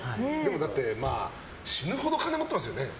だって死ぬほど金持ってますよね。